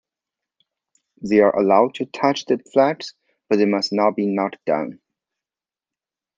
They are allowed to touch the flags, but they must not be knocked down.